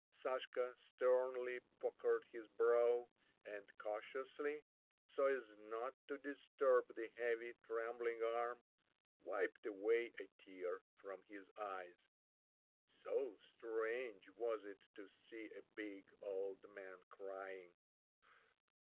Sashka sternly puckered his brow, and cautiously—so as not to disturb the heavy trembling arm—wiped away a tear from his eyes. So strange was it to see a big old man crying.